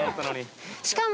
しかも。